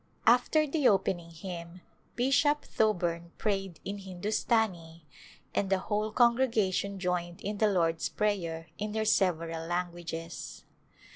After the opening hymn Bishop Thoburn prayed in Hindustani and the whole congregation joined in the Lord's Prayer in their several languages.